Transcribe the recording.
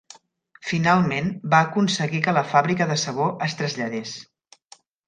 Finalment va aconseguir que la fàbrica de sabó es traslladés.